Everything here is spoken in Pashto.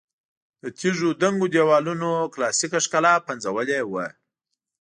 د تیږو دنګو دېوالونو کلاسیکه ښکلا پنځولې وه.